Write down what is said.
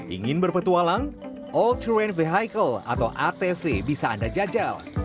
ingin berpetualang all train vehicle atau atv bisa anda jajal